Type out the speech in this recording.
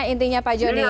intinya pak jody ya